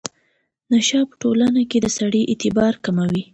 نشه په ټولنه کې د سړي اعتبار کموي.